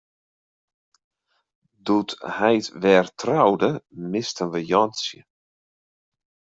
Doe't heit wer troude, misten we Jantsje.